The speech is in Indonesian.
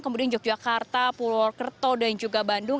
kemudian yogyakarta pulau kerto dan juga bandung